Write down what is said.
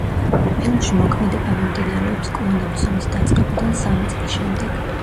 ფილმში მოქმედება მიმდინარეობს კლონების ომის დაწყებიდან სამი წლის შემდეგ.